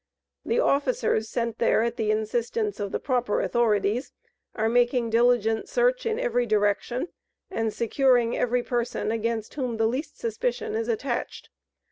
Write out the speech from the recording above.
The officers sent there at the instance of the proper authorities are making diligent search in every direction, and securing every person against whom the least suspicion is attached.